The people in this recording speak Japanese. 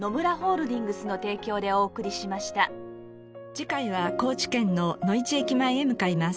次回は高知県ののいち駅前へ向かいます。